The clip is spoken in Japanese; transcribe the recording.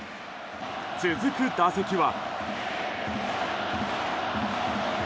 続く打席は。